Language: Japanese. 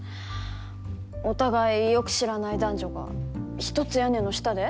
お互いよく知らない男女がひとつ屋根の下で？